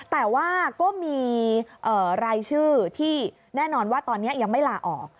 แต่ว่าก็มีรายชื่อที่แน่นอนว่าตอนนี้ยังไม่ลาออก